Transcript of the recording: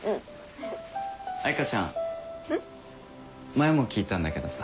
前も聞いたんだけどさ。